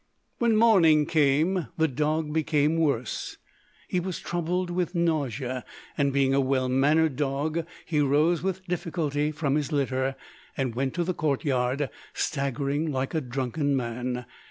When morning came the dog became worse. He was troubled with nausea, and being a well mannered dog, he rose with difficulty from his litter, and went to the courtyard, staggering like a drunken man.